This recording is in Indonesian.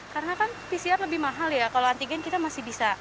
keberatan lah karena kan pcr lebih mahal ya kalau antigen kita masih bisa terjangkau lah